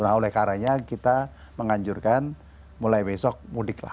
nah oleh karanya kita menganjurkan mulai besok mudik lah